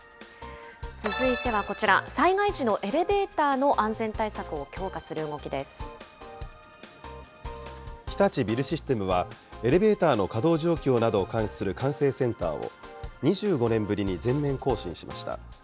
続いてはこちら、災害時のエレベーターの安全対策を強化する日立ビルシステムは、エレベーターの稼働状況などを監視する管制センターを、２５年ぶりに全面更新しました。